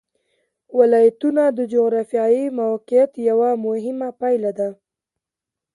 ولایتونه د جغرافیایي موقیعت یوه مهمه پایله ده.